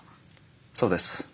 そうです。